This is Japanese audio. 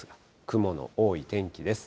雲の多い天気です。